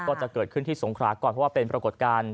ก็จะเกิดขึ้นที่สงขราก่อนเพราะว่าเป็นปรากฏการณ์